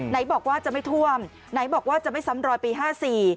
ไหนบอกว่าจะไม่ท่วมไหนบอกว่าจะไม่ซ้ำรอยปีห้าสี่